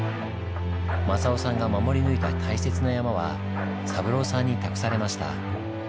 正夫さんが守り抜いた大切な山は三朗さんに託されました。